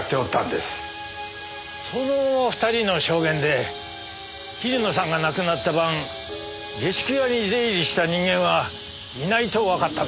その２人の証言で桐野さんが亡くなった晩下宿屋に出入りした人間はいないとわかったんですな。